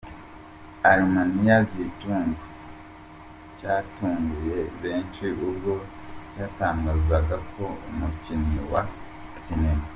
Allgemeine Zeitung cyatunguye benshi ubwo cyatangazaga ko umukinnyi wa sinema.